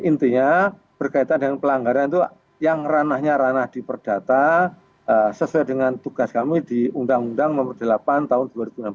intinya berkaitan dengan pelanggaran itu yang ranahnya ranah di perdata sesuai dengan tugas kami di undang undang nomor delapan tahun dua ribu enam belas